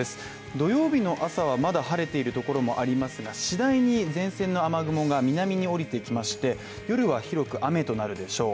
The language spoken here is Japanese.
土曜日の朝はまだ晴れているところもありますが次第に前線の雨雲が南に下りてきまして、夜は広く雨となるでしょう。